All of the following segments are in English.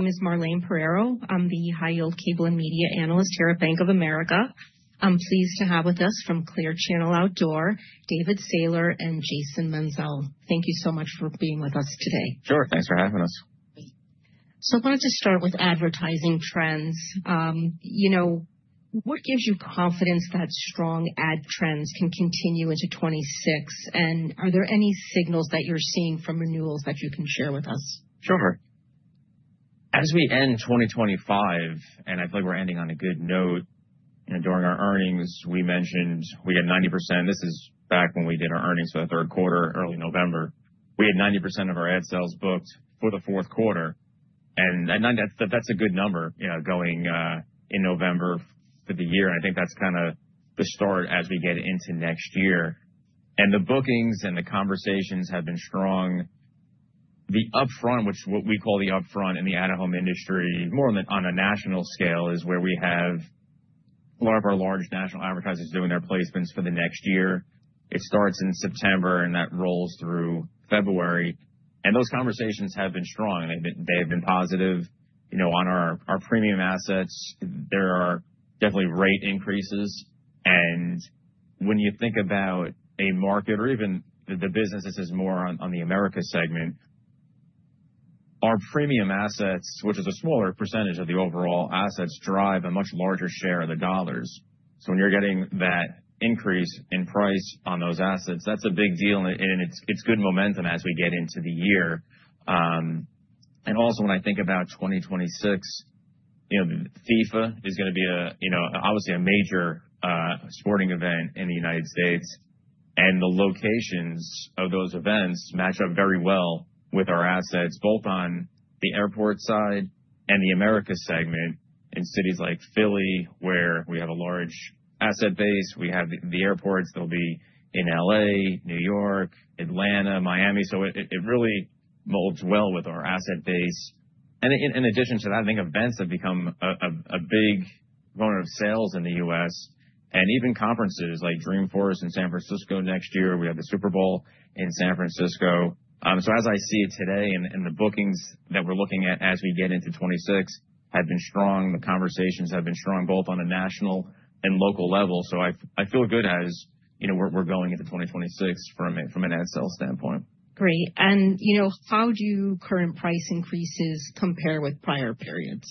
Ms. Marlene Pereiro. I'm the high-yield cable and media analyst here at Bank of America. I'm pleased to have with us from Clear Channel Outdoor, David Sailer, and Jason Menzel. Thank you so much for being with us today. Sure. Thanks for having us. So I wanted to start with advertising trends. You know, what gives you confidence that strong ad trends can continue into 2026? And are there any signals that you're seeing from renewals that you can share with us? Sure. As we end 2025, and I feel like we're ending on a good note, you know, during our earnings, we mentioned we had 90%. This is back when we did our earnings for the third quarter, early November. We had 90% of our ad sales booked for the fourth quarter, and that's a good number, you know, going in November for the year. I think that's kind of the start as we get into next year, and the bookings and the conversations have been strong. The upfront, which we call the upfront in the out-of-home industry, more on a national scale, is where we have a lot of our large national advertisers doing their placements for the next year. It starts in September, and that rolls through February, and those conversations have been strong, and they've been positive. You know, on our premium assets, there are definitely rate increases, and when you think about a market or even the business that's more on the America segment, our premium assets, which is a smaller percentage of the overall assets, drive a much larger share of the dollars, so when you're getting that increase in price on those assets, that's a big deal, and it's good momentum as we get into the year. And also, when I think about 2026, you know, FIFA is going to be, you know, obviously a major sporting event in the United States, and the locations of those events match up very well with our assets, both on the airport side and the America segment, in cities like Philly, where we have a large asset base. We have the airports that will be in LA, New York, Atlanta, Miami. So it really molds well with our asset base. And in addition to that, I think events have become a big component of sales in the U.S. And even conferences like Dreamforce in San Francisco next year. We have the Super Bowl in San Francisco. So as I see it today, and the bookings that we're looking at as we get into 2026 have been strong. The conversations have been strong both on a national and local level. So I feel good as, you know, we're going into 2026 from an ad sales standpoint. Great. And, you know, how do current price increases compare with prior periods?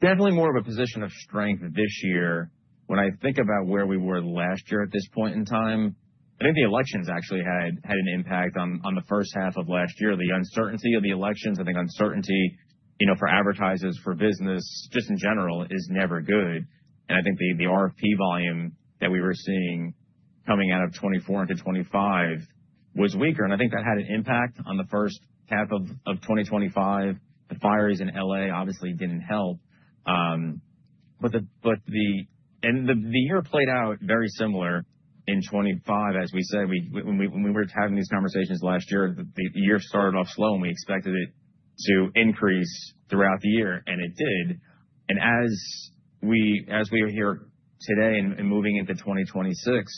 Definitely more of a position of strength this year. When I think about where we were last year at this point in time, I think the elections actually had an impact on the first half of last year. The uncertainty of the elections, I think uncertainty, you know, for advertisers, for business, just in general, is never good, and I think the RFP volume that we were seeing coming out of 2024 into 2025 was weaker, and I think that had an impact on the first half of 2025. The fires in LA obviously didn't help, but the year played out very similar in 2025. As we said, when we were having these conversations last year, the year started off slow, and we expected it to increase throughout the year, and it did. As we are here today and moving into 2026,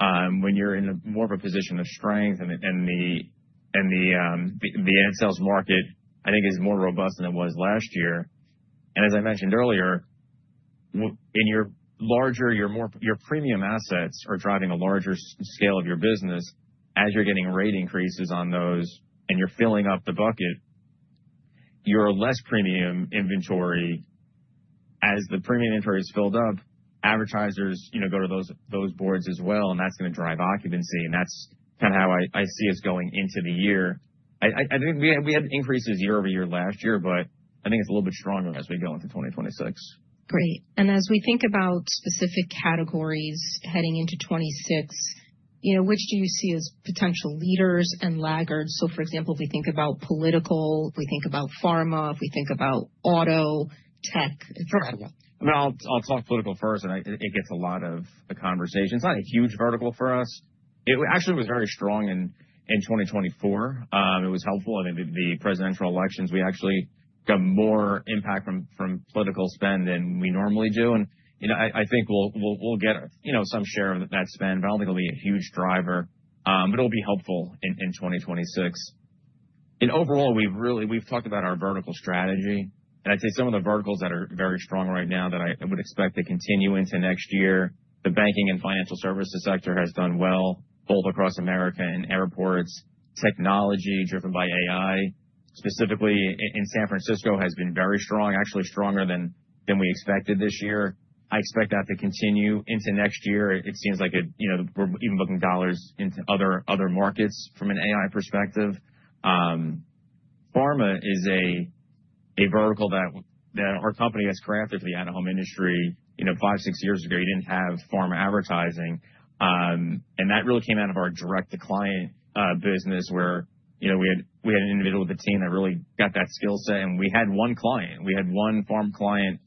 when you're in more of a position of strength, and the ad sales market, I think, is more robust than it was last year. As I mentioned earlier, in your larger, your premium assets are driving a larger scale of your business. As you're getting rate increases on those and you're filling up the bucket, your less premium inventory, as the premium inventory is filled up, advertisers, you know, go to those boards as well. That's going to drive occupancy. That's kind of how I see us going into the year. I think we had increases year over year last year, but I think it's a little bit stronger as we go into 2026. Great. And as we think about specific categories heading into 2026, you know, which do you see as potential leaders and laggards? So, for example, if we think about political, if we think about pharma, if we think about auto, tech, etc. Sure. I mean, I'll talk political first, and it gets a lot of the conversation. It's not a huge vertical for us. It actually was very strong in 2024. It was helpful. I mean, the presidential elections, we actually got more impact from political spend than we normally do, and, you know, I think we'll get, you know, some share of that spend, but I don't think it'll be a huge driver, but it'll be helpful in 2026, and overall, we've talked about our vertical strategy, and I'd say some of the verticals that are very strong right now that I would expect to continue into next year, the banking and financial services sector has done well, both across America and airports. Technology driven by AI, specifically in San Francisco, has been very strong, actually stronger than we expected this year. I expect that to continue into next year. It seems like we're even booking dollars into other markets from an AI perspective. Pharma is a vertical that our company has crafted for the at-home industry. You know, five, six years ago, you didn't have pharma advertising, and that really came out of our direct-to-client business, where, you know, we had an individual with the team that really got that skill set, and we had one client. We had one pharma client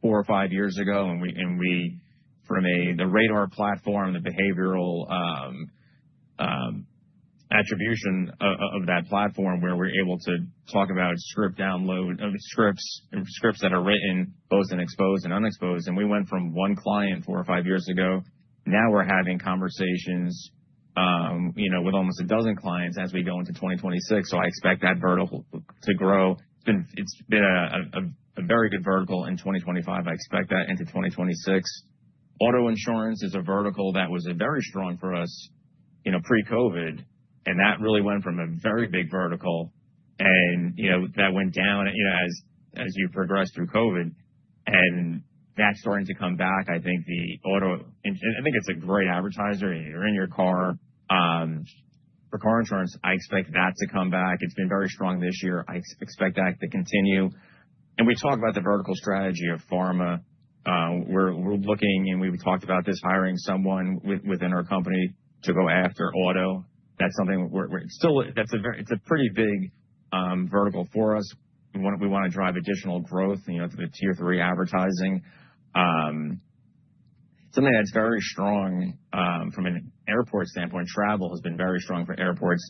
four or five years ago, and we, from the RADAR platform, the behavioral attribution of that platform, where we're able to talk about script download scripts that are written both in exposed and unexposed, and we went from one client four or five years ago. Now we're having conversations, you know, with almost a dozen clients as we go into 2026, so I expect that vertical to grow. It's been a very good vertical in 2025, I expect that into 2026. Auto insurance is a vertical that was very strong for us, you know, pre-COVID. And that really went from a very big vertical. And, you know, that went down, you know, as you progressed through COVID. And that's starting to come back. I think the auto, I think it's a great advertiser. You're in your car. For car insurance, I expect that to come back. It's been very strong this year. I expect that to continue. And we talk about the vertical strategy of pharma. We're looking, and we talked about this, hiring someone within our company to go after auto. That's something we're still, that's a pretty big vertical for us. We want to drive additional growth, you know, the Tier 3 advertising. Something that's very strong from an airport standpoint. Travel has been very strong for airports,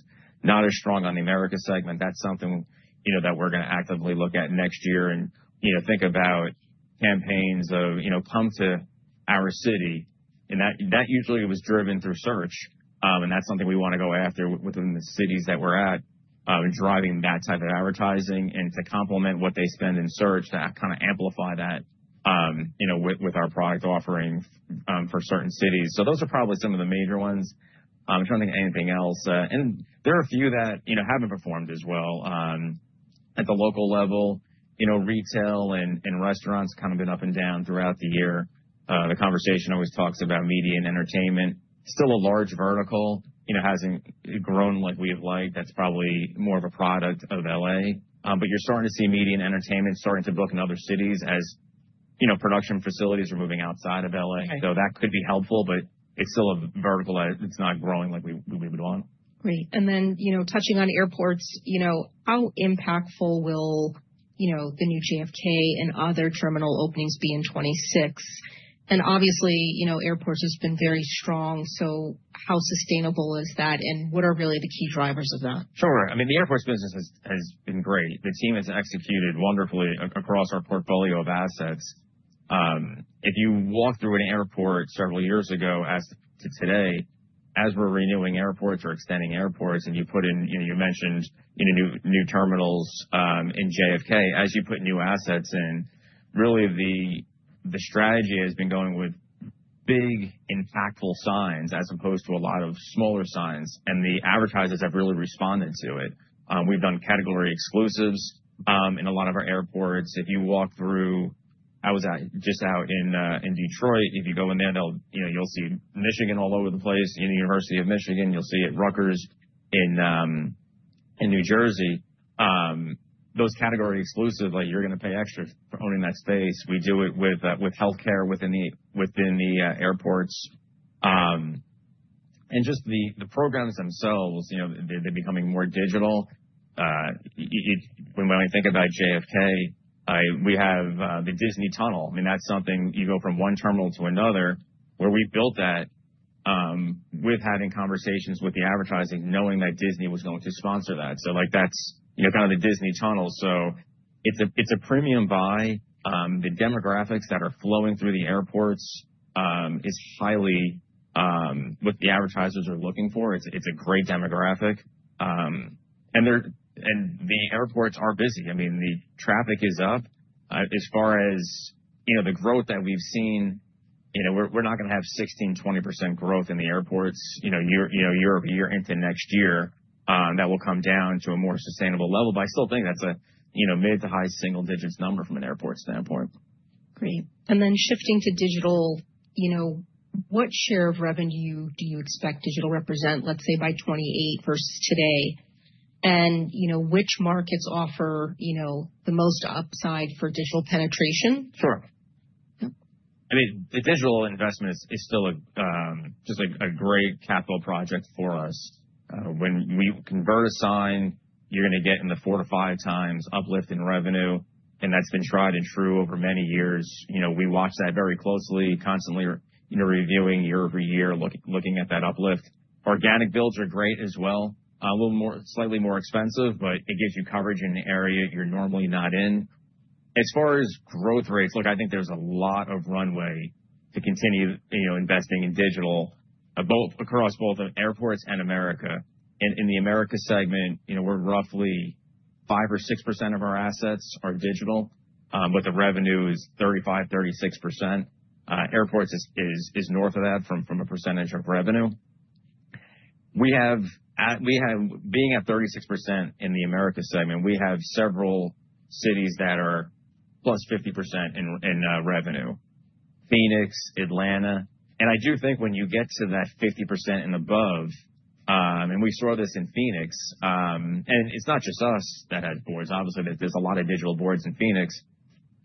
not as strong on the America segment. That's something, you know, that we're going to actively look at next year and, you know, think about campaigns of, you know, come to our city, and that usually was driven through search, and that's something we want to go after within the cities that we're at and driving that type of advertising and to complement what they spend in search, to kind of amplify that, you know, with our product offering for certain cities. So those are probably some of the major ones. I'm trying to think of anything else, and there are a few that, you know, haven't performed as well. At the local level, you know, retail and restaurants kind of been up and down throughout the year. The conversation always talks about media and entertainment. Still a large vertical, you know, hasn't grown like we'd like. That's probably more of a product of LA. But you're starting to see media and entertainment starting to book in other cities as, you know, production facilities are moving outside of LA. So that could be helpful, but it's still a vertical that's not growing like we would want. Great. And then, you know, touching on airports, you know, how impactful will, you know, the new JFK and other terminal openings be in 2026? And obviously, you know, airports have been very strong. So how sustainable is that? And what are really the key drivers of that? Sure. I mean, the airports business has been great. The team has executed wonderfully across our portfolio of assets. If you walk through an airport several years ago as opposed to today, as we're renewing airports or extending airports, and you put in, you know, you mentioned new terminals in JFK, as you put new assets in, really the strategy has been going with big, impactful signs as opposed to a lot of smaller signs. And the advertisers have really responded to it. We've done category exclusives in a lot of our airports. If you walk through, I was just out in Detroit, if you go in there, you'll see Michigan all over the place. In the University of Michigan, you'll see it. Rutgers in New Jersey. Those category exclusives, like you're going to pay extra for owning that space. We do it with healthcare within the airports. Just the programs themselves, you know, they're becoming more digital. When we think about JFK, we have the Disney Tunnel. I mean, that's something you go from one terminal to another, where we built that with having conversations with the advertisers, knowing that Disney was going to sponsor that. So like that's, you know, kind of the Disney Tunnel. So it's a premium buy. The demographics that are flowing through the airports is highly what the advertisers are looking for. It's a great demographic. And the airports are busy. I mean, the traffic is up. As far as, you know, the growth that we've seen, you know, we're not going to have 16%-20% growth in the airports, you know, year into next year. That will come down to a more sustainable level. But I still think that's, you know, mid to high single digits number from an airport standpoint. Great. And then shifting to digital, you know, what share of revenue do you expect digital represent, let's say by 2028 versus today? And, you know, which markets offer, you know, the most upside for digital penetration? Sure. I mean, the digital investment is still just a great capital project for us. When we convert a sign, you're going to get in the four to five times uplift in revenue. And that's been tried and true over many years. You know, we watch that very closely, constantly, you know, reviewing year over year, looking at that uplift. Organic builds are great as well. A little, slightly more expensive, but it gives you coverage in an area you're normally not in. As far as growth rates, look, I think there's a lot of runway to continue, you know, investing in digital across both airports and America. In the America segment, you know, we're roughly 5% or 6% of our assets are digital, but the revenue is 35%-36%. Airports is north of that from a percentage of revenue. We have, being at 36% in the America segment, we have several cities that are plus 50% in revenue: Phoenix, Atlanta. And I do think when you get to that 50% and above, and we saw this in Phoenix, and it's not just us that has boards. Obviously, there's a lot of digital boards in Phoenix.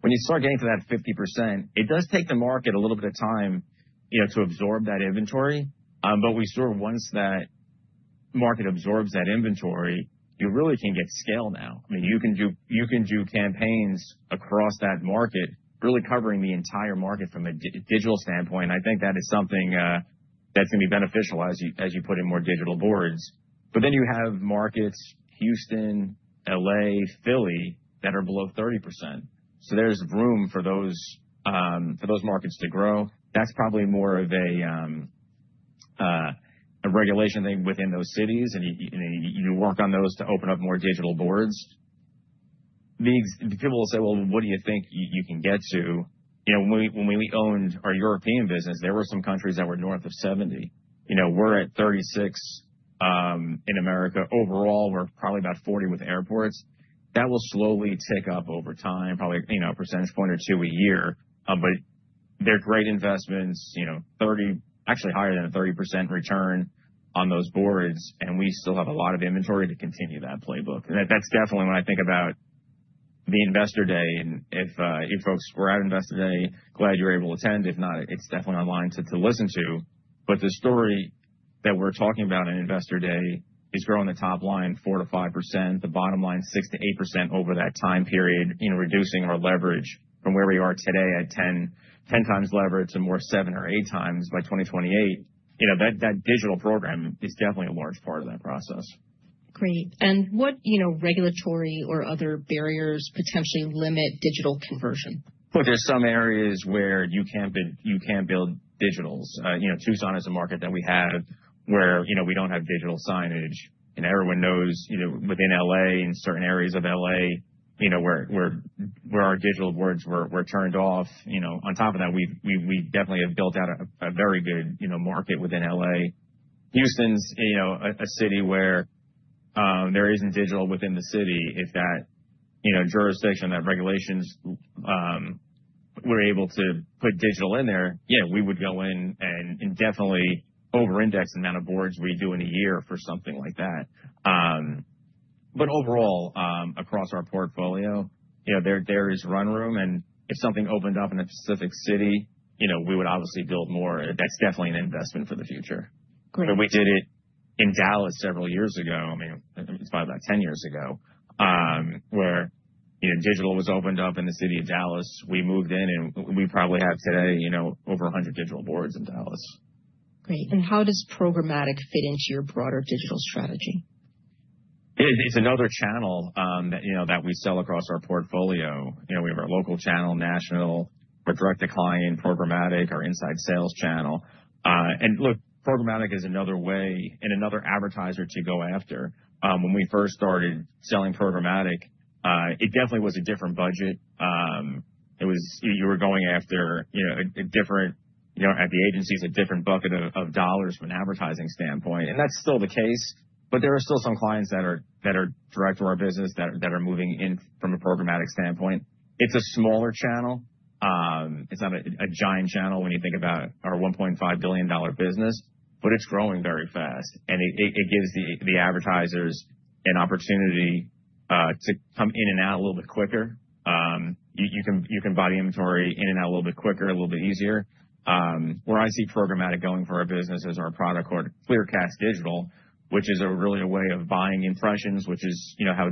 When you start getting to that 50%, it does take the market a little bit of time, you know, to absorb that inventory. But we saw once that market absorbs that inventory, you really can get scale now. I mean, you can do campaigns across that market, really covering the entire market from a digital standpoint. And I think that is something that's going to be beneficial as you put in more digital boards. But then you have markets, Houston, LA, Philly, that are below 30%. There's room for those markets to grow. That's probably more of a regulation thing within those cities. And you work on those to open up more digital boards. People will say, well, what do you think you can get to? You know, when we owned our European business, there were some countries that were north of 70. You know, we're at 36 in America. Overall, we're probably about 40 with airports. That will slowly tick up over time, probably, you know, a percentage point or two a year. But they're great investments, you know, actually higher than a 30% return on those boards. And we still have a lot of inventory to continue that playbook. And that's definitely when I think about the Investor Day. And if folks were at Investor Day, glad you were able to attend. If not, it's definitely online to listen to. But the story that we're talking about on investor day is growing the top line 4-5%, the bottom line 6-8% over that time period, you know, reducing our leverage from where we are today at 10 times leverage to more 7 or 8 times by 2028. You know, that digital program is definitely a large part of that process. Great. And what, you know, regulatory or other barriers potentially limit digital conversion? Look, there's some areas where you can't build digitals. You know, Tucson is a market that we have where, you know, we don't have digital signage. And everyone knows, you know, within LA and certain areas of LA, you know, where our digital boards were turned off. You know, on top of that, we definitely have built out a very good, you know, market within LA. Houston's, you know, a city where there isn't digital within the city. If that, you know, jurisdiction, that regulations, we're able to put digital in there, yeah, we would go in and definitely over-index the amount of boards we do in a year for something like that. But overall, across our portfolio, you know, there is room to run. And if something opened up in a specific city, you know, we would obviously build more. That's definitely an investment for the future. But we did it in Dallas several years ago. I mean, it's probably about 10 years ago where, you know, digital was opened up in the city of Dallas. We moved in, and we probably have today, you know, over 100 digital boards in Dallas. Great. And how does programmatic fit into your broader digital strategy? It's another channel that, you know, that we sell across our portfolio. You know, we have our local channel, national, our direct-to-client, programmatic, our inside sales channel. And look, programmatic is another way and another advertiser to go after. When we first started selling programmatic, it definitely was a different budget. It was, you were going after, you know, at the agencies, a different bucket of dollars from an advertising standpoint. And that's still the case. But there are still some clients that are direct to our business that are moving in from a programmatic standpoint. It's a smaller channel. It's not a giant channel when you think about our $1.5 billion business, but it's growing very fast. And it gives the advertisers an opportunity to come in and out a little bit quicker. You can buy the inventory in and out a little bit quicker, a little bit easier. Where I see programmatic going for our business is our product called ClearCast Digital, which is really a way of buying impressions, which is, you know, how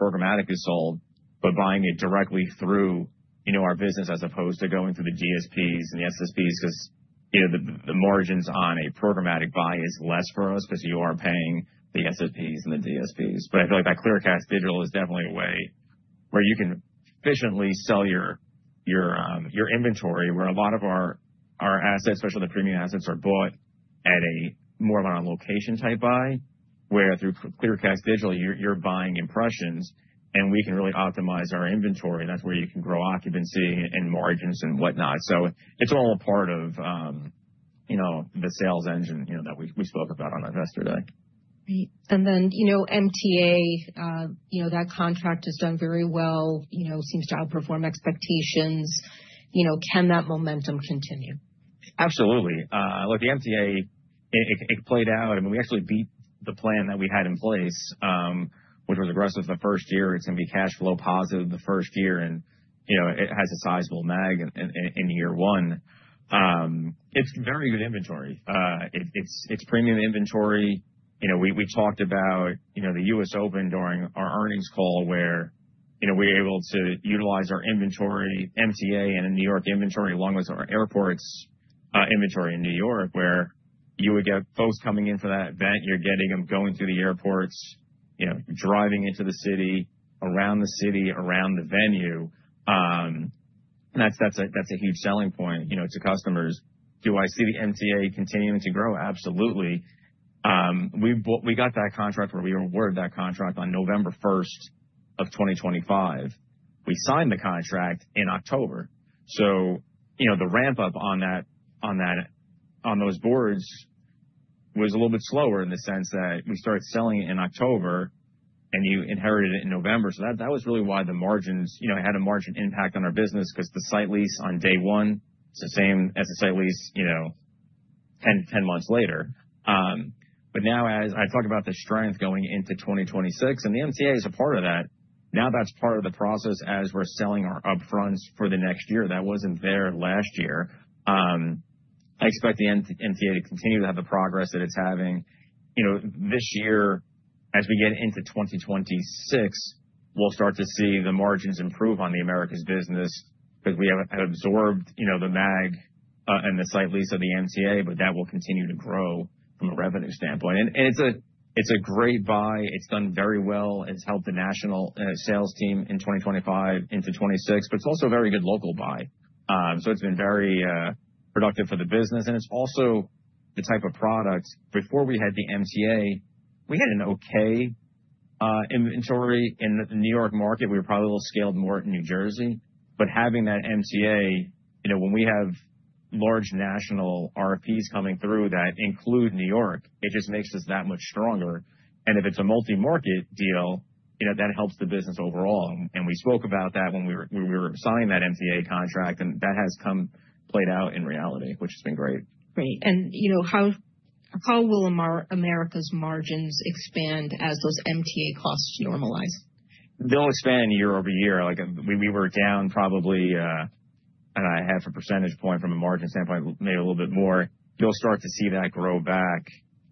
programmatic is sold, but buying it directly through, you know, our business as opposed to going through the DSPs and the SSPs because, you know, the margins on a programmatic buy is less for us because you are paying the SSPs and the DSPs. But I feel like that ClearCast Digital is definitely a way where you can efficiently sell your inventory, where a lot of our assets, especially the premium assets, are bought at a more of an on-location type buy, where through ClearCast Digital, you're buying impressions, and we can really optimize our inventory. And that's where you can grow occupancy and margins and whatnot. So it's all a part of, you know, the sales engine, you know, that we spoke about on investor day. Great. And then, you know, MTA, you know, that contract has done very well, you know, seems to outperform expectations. You know, can that momentum continue? Absolutely. Look, the MTA, it played out. I mean, we actually beat the plan that we had in place, which was aggressive the first year. It's going to be cash flow positive the first year. And, you know, it has a sizable mag in year one. It's very good inventory. It's premium inventory. You know, we talked about, you know, the U.S. Open during our earnings call, where, you know, we were able to utilize our inventory, MTA and in New York inventory, along with our airports inventory in New York, where you would get folks coming in for that event. You're getting them going through the airports, you know, driving into the city, around the city, around the venue. That's a huge selling point, you know, to customers. Do I see the MTA continuing to grow? Absolutely. We got that contract where we were awarded that contract on November 1st of 2025. We signed the contract in October. So, you know, the ramp-up on those boards was a little bit slower in the sense that we started selling it in October and you inherited it in November. So that was really why the margins, you know, had a margin impact on our business because the site lease on day one is the same as the site lease, you know, 10 months later. But now, as I talk about the strength going into 2026, and the MTA is a part of that, now that's part of the process as we're selling our upfronts for the next year. That wasn't there last year. I expect the MTA to continue to have the progress that it's having. You know, this year, as we get into 2026, we'll start to see the margins improve on the America's business because we have absorbed, you know, the MAG and the site lease of the MTA, but that will continue to grow from a revenue standpoint. And it's a great buy. It's done very well. It's helped the national sales team in 2025 into 2026, but it's also a very good local buy. So it's been very productive for the business. And it's also the type of product. Before we had the MTA, we had an okay inventory in the New York market. We were probably a little scaled more in New Jersey. But having that MTA, you know, when we have large national RFPs coming through that include New York, it just makes us that much stronger. And if it's a multi-market deal, you know, that helps the business overall. And we spoke about that when we were signing that MTA contract. And that has come played out in reality, which has been great. Great. And, you know, how will America's margins expand as those MTA costs normalize? They'll expand year over year. Like, we were down probably half a percentage point from a margin standpoint, maybe a little bit more. You'll start to see that grow back,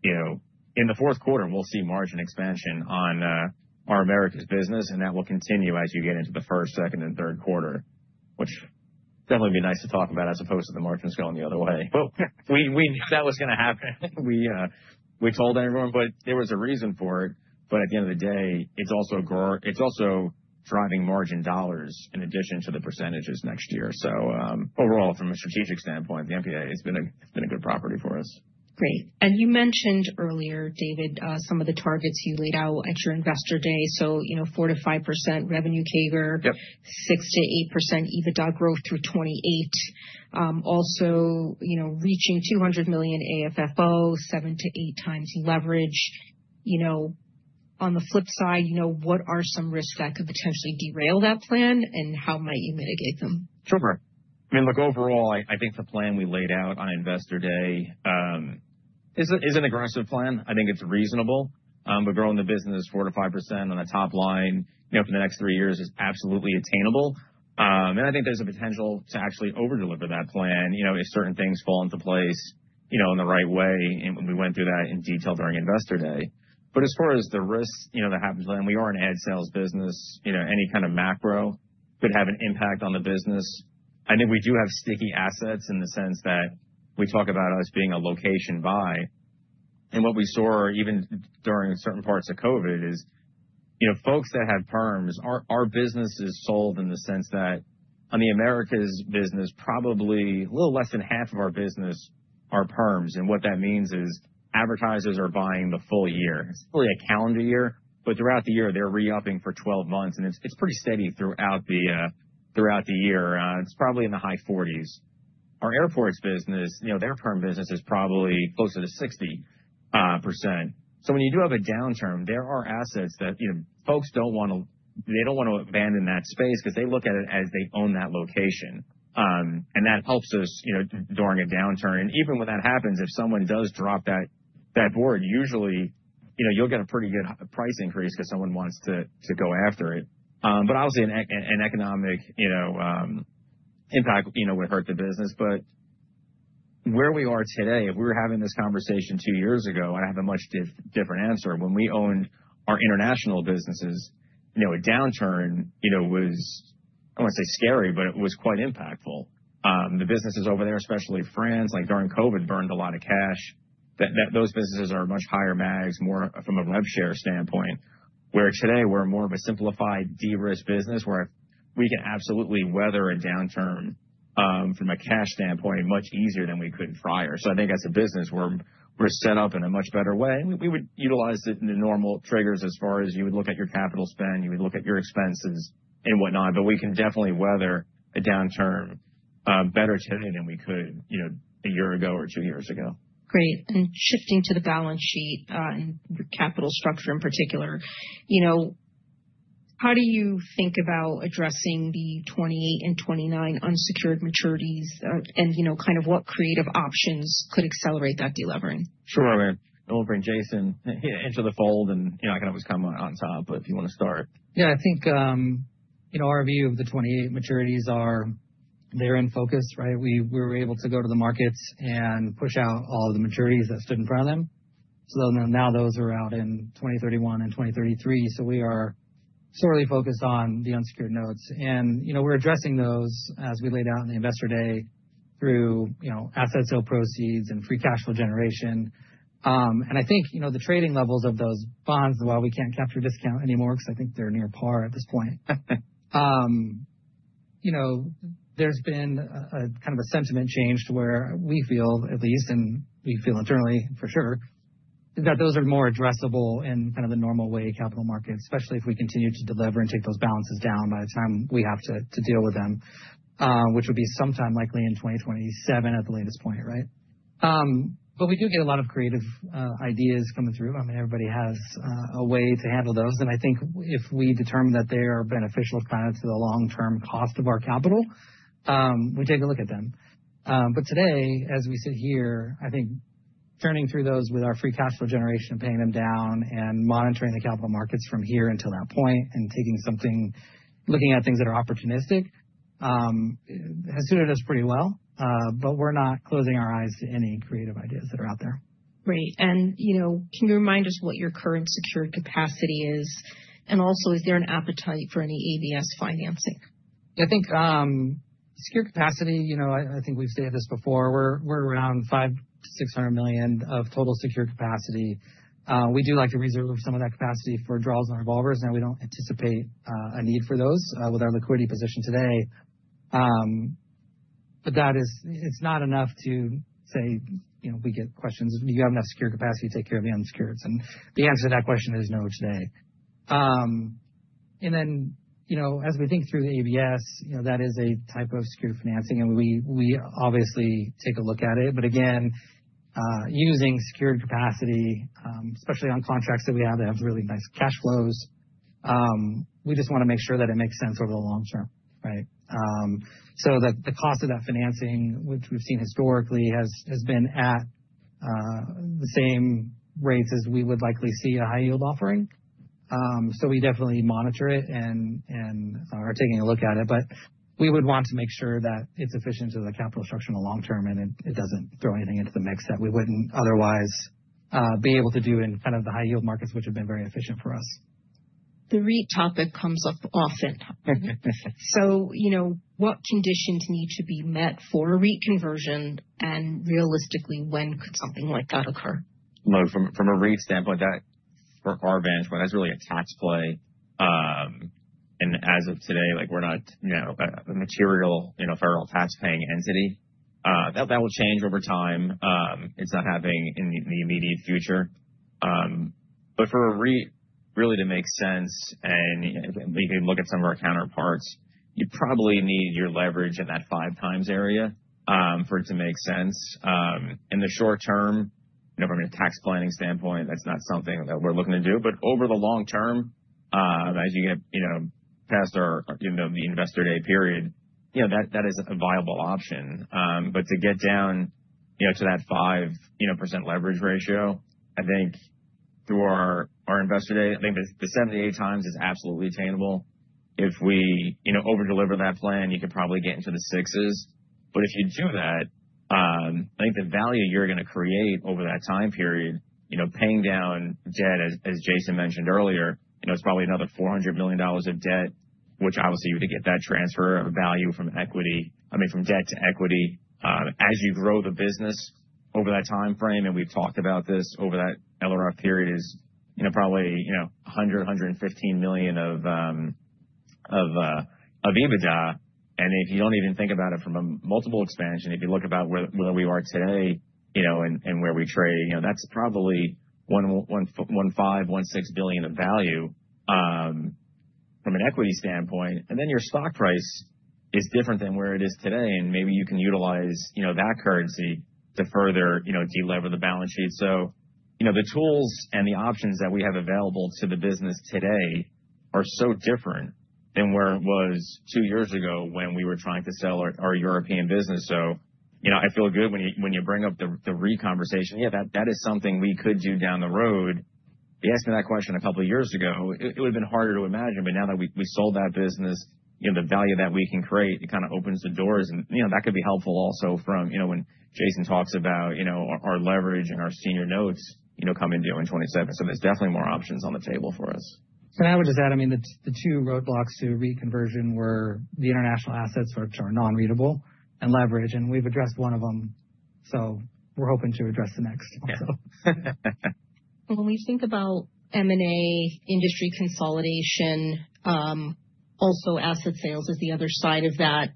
you know, in the fourth quarter. And we'll see margin expansion on our America's business. And that will continue as you get into the first, second, and third quarter, which definitely would be nice to talk about as opposed to the margins going the other way. Well, we knew that was going to happen. We told everyone, but there was a reason for it. But at the end of the day, it's also driving margin dollars in addition to the percentages next year. So overall, from a strategic standpoint, the MTA has been a good property for us. Great. And you mentioned earlier, David, some of the targets you laid out at your investor day. So, you know, 4%-5% revenue CAGR, 6%-8% EBITDA growth through 2028. Also, you know, reaching $200 million AFFO, 7-8 times leverage. You know, on the flip side, you know, what are some risks that could potentially derail that plan and how might you mitigate them? Sure. I mean, look, overall, I think the plan we laid out on investor day is an aggressive plan. I think it's reasonable. But growing the business 4%-5% on a top line, you know, for the next three years is absolutely attainable. And I think there's a potential to actually overdeliver that plan, you know, if certain things fall into place, you know, in the right way. And we went through that in detail during investor day. But as far as the risks, you know, that happens then, we are an ad sales business. You know, any kind of macro could have an impact on the business. I think we do have sticky assets in the sense that we talk about us being a location buy. And what we saw even during certain parts of COVID is, you know, folks that have perms. Our business is sold in the sense that on the America's business, probably a little less than half of our business are perms. And what that means is advertisers are buying the full year. It's really a calendar year, but throughout the year, they're re-upping for 12 months. And it's pretty steady throughout the year. It's probably in the high 40s. Our airports business, you know, their perm business is probably closer to 60%. So when you do have a downturn, there are assets that, you know, folks don't want to, they don't want to abandon that space because they look at it as they own that location. And that helps us, you know, during a downturn. Even when that happens, if someone does drop that board, usually, you know, you'll get a pretty good price increase because someone wants to go after it. But obviously, an economic, you know, impact, you know, would hurt the business. But where we are today, if we were having this conversation two years ago, I'd have a much different answer. When we owned our international businesses, you know, a downturn, you know, was, I won't say scary, but it was quite impactful. The businesses over there, especially France, like during COVID, burned a lot of cash. Those businesses are much higher MAGs, more from a rev share standpoint, where today we're more of a simplified de-risk business where we can absolutely weather a downturn from a cash standpoint much easier than we could prior. So I think as a business, we're set up in a much better way. We would utilize the normal triggers as far as you would look at your capital spend, you would look at your expenses and whatnot. We can definitely weather a downturn better today than we could, you know, a year ago or two years ago. Great. And shifting to the balance sheet and capital structure in particular, you know, how do you think about addressing the 2028 and 2029 unsecured maturities and, you know, kind of what creative options could accelerate that delivering? Sure, man. I'll bring Jason into the fold, and you know, I can always come on top, but if you want to start. Yeah, I think, you know, our view of the 2028 maturities are, they're in focus, right? We were able to go to the markets and push out all of the maturities that stood in front of them. So now those are out in 2031 and 2033. So we are solely focused on the unsecured notes. And, you know, we're addressing those as we laid out in the Investor Day through, you know, asset sale proceeds and free cash flow generation. I think, you know, the trading levels of those bonds, while we can't capture discount anymore because I think they're near par at this point. You know, there's been a kind of a sentiment change to where we feel, at least, and we feel internally for sure, that those are more addressable in kind of the normal way capital markets, especially if we continue to deliver and take those balances down by the time we have to deal with them, which would be sometime likely in 2027 at the latest point, right? But we do get a lot of creative ideas coming through. I mean, everybody has a way to handle those. And I think if we determine that they are beneficial kind of to the long-term cost of our capital, we take a look at them. But today, as we sit here, I think turning through those with our free cash flow generation and paying them down and monitoring the capital markets from here until that point and taking something, looking at things that are opportunistic has suited us pretty well. But we're not closing our eyes to any creative ideas that are out there. Great. And, you know, can you remind us what your current secured capacity is? And also, is there an appetite for any ABS financing? I think secured capacity, you know, I think we've stated this before. We're around $500-600 million of total secured capacity. We do like to reserve some of that capacity for draws and revolvers. Now, we don't anticipate a need for those with our liquidity position today. But that is, it's not enough to say, you know, we get questions, do you have enough secured capacity to take care of the unsecured? And the answer to that question is no today. And then, you know, as we think through the ABS, you know, that is a type of secured financing. And we obviously take a look at it. But again, using secured capacity, especially on contracts that we have that have really nice cash flows, we just want to make sure that it makes sense over the long term, right? So the cost of that financing, which we've seen historically, has been at the same rates as we would likely see a high-yield offering. So we definitely monitor it and are taking a look at it. But we would want to make sure that it's efficient to the capital structure in the long term and it doesn't throw anything into the mix that we wouldn't otherwise be able to do in kind of the high-yield markets, which have been very efficient for us. The REIT topic comes up often. So, you know, what conditions need to be met for a REIT conversion? And realistically, when could something like that occur? Look, from a REIT standpoint, that's for our vantage point, that's really a tax play. And as of today, like we're not, you know, a material, you know, federal tax-paying entity. That will change over time. It's not happening in the immediate future. But for a REIT, really to make sense, and we can look at some of our counterparts, you probably need your leverage in that five times area for it to make sense. In the short term, you know, from a tax planning standpoint, that's not something that we're looking to do. But over the long term, as you get, you know, past our, you know, the investor day period, you know, that is a viable option. But to get down, you know, to that 5x leverage ratio, I think through our investor day, I think the 7.8 times is absolutely attainable. If we, you know, overdeliver that plan, you could probably get into the sixes. But if you do that, I think the value you're going to create over that time period, you know, paying down debt, as Jason mentioned earlier, you know, it's probably another $400 million of debt, which obviously you would get that transfer of value from equity, I mean, from debt to equity as you grow the business over that time frame. And we've talked about this over that LRF period is, you know, probably, you know, 100-115 million of EBITDA. And if you don't even think about it from a multiple expansion, if you look about where we are today, you know, and where we trade, you know, that's probably 1.5-1.6 billion of value from an equity standpoint. And then your stock price is different than where it is today. And maybe you can utilize, you know, that currency to further, you know, deliver the balance sheet. So, you know, the tools and the options that we have available to the business today are so different than where it was two years ago when we were trying to sell our European business. So, you know, I feel good when you bring up the REIT conversation. Yeah, that is something we could do down the road. You asked me that question a couple of years ago. It would have been harder to imagine. But now that we sold that business, you know, the value that we can create, it kind of opens the doors. And, you know, that could be helpful also from, you know, when Jason talks about, you know, our leverage and our senior notes, you know, come into in 2027. So there's definitely more options on the table for us. I would just add, I mean, the two roadblocks to REIT conversion were the international assets, which are non-qualifying, and leverage. We've addressed one of them. We're hoping to address the next also. When we think about M&A, industry consolidation, also asset sales is the other side of that.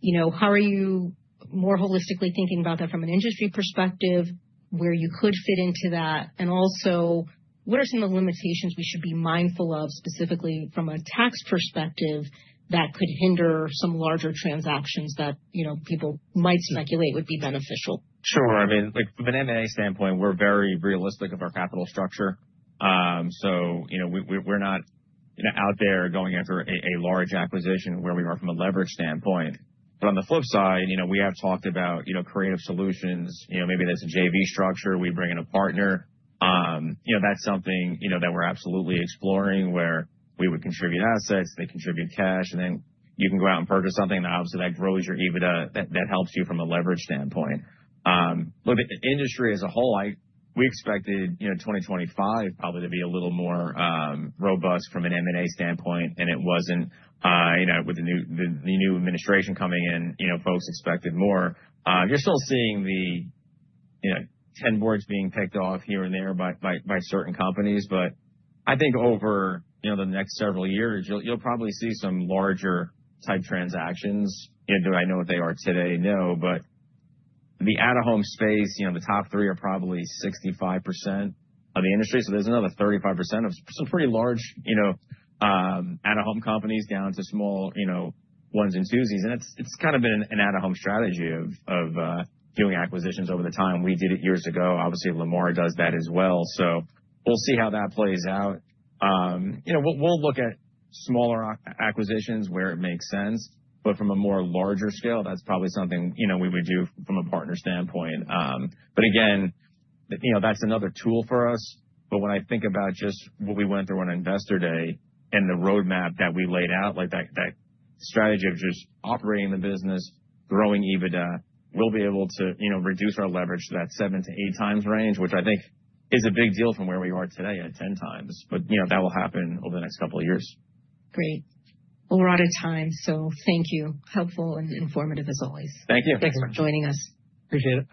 You know, how are you more holistically thinking about that from an industry perspective, where you could fit into that? And also, what are some of the limitations we should be mindful of specifically from a tax perspective that could hinder some larger transactions that, you know, people might speculate would be beneficial? Sure. I mean, like from an M&A standpoint, we're very realistic of our capital structure. So, you know, we're not out there going after a large acquisition where we are from a leverage standpoint. But on the flip side, you know, we have talked about, you know, creative solutions. You know, maybe there's a JV structure. We bring in a partner. You know, that's something, you know, that we're absolutely exploring where we would contribute assets, they contribute cash, and then you can go out and purchase something. And obviously, that grows your EBITDA. That helps you from a leverage standpoint. Look, the industry as a whole, we expected, you know, 2025 probably to be a little more robust from an M&A standpoint. And it wasn't, you know, with the new administration coming in, you know, folks expected more. You're still seeing the, you know, 10 boards being picked off here and there by certain companies. But I think over, you know, the next several years, you'll probably see some larger type transactions. You know, do I know what they are today? No. But the out-of-home space, you know, the top three are probably 65% of the industry. So there's another 35% of some pretty large, you know, out-of-home companies down to small, you know, ones and twosies. And it's kind of been an out-of-home strategy of doing acquisitions over the time. We did it years ago. Obviously, Lamar does that as well. So we'll see how that plays out. You know, we'll look at smaller acquisitions where it makes sense. But from a more larger scale, that's probably something, you know, we would do from a partner standpoint. But again, you know, that's another tool for us. But when I think about just what we went through on Investor Day and the roadmap that we laid out, like that strategy of just operating the business, growing EBITDA, we'll be able to, you know, reduce our leverage to that 7-8 times range, which I think is a big deal from where we are today at 10 times. But, you know, that will happen over the next couple of years. Great. Well, we're out of time. So thank you. Helpful and informative as always. Thank you. Thanks for joining us. Appreciate it.